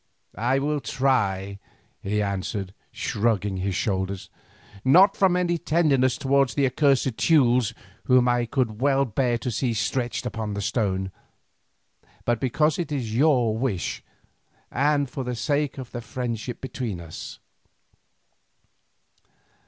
"I will try," he answered, shrugging his shoulders, "not from any tenderness towards the accursed Teules, whom I could well bear to see stretched upon the stone, but because it is your wish, and for the sake of the friendship between us."